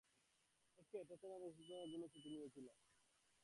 ওকে, প্রথমে আমি অসুস্থতার জন্য ছুটি নিয়েছিলাম।